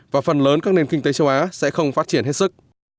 và phần lớn các nền kinh tế châu á sẽ không phát triển hết sức